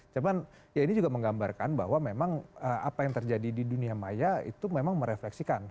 cuman ya ini juga menggambarkan bahwa memang apa yang terjadi di dunia maya itu memang merefleksikan